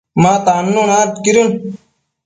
ma tannuna aidquidën